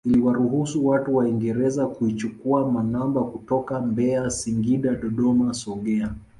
Iliwaruhusu watu waingereza kuichukua manamba kutoka Mbeya Singida Dodoma Songea